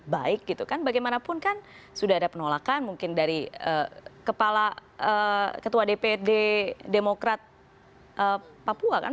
baik gitu kan bagaimanapun kan sudah ada penolakan mungkin dari kepala ketua dpd demokrat papua kan